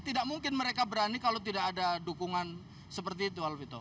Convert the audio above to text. tidak mungkin mereka berani kalau tidak ada dukungan seperti itu alvito